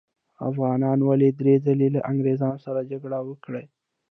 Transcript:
افغانانو ولې درې ځلې له انګریزانو سره جګړې وکړې؟